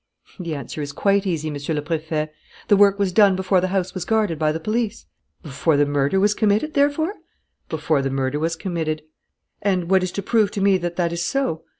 "The answer is quite easy, Monsieur le Préfet: the work was done before the house was guarded by the police." "Before the murder was committed, therefore?" "Before the murder was committed." "And what is to prove to me that that is so?"